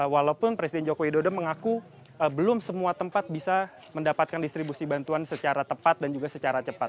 walaupun presiden joko widodo mengaku belum semua tempat bisa mendapatkan distribusi bantuan secara tepat dan juga secara cepat